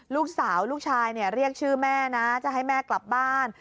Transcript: ลูกชายลูกชายเรียกชื่อแม่นะจะให้แม่กลับบ้าน